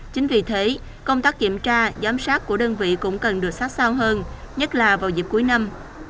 chính vì thế công tác kiểm tra giám sát của đơn vị cũng cần được sát sao hơn nhất là vào dịp cuối năm